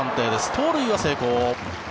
盗塁は成功。